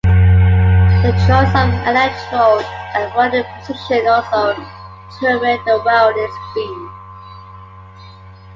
The choice of electrode and welding position also determine the welding speed.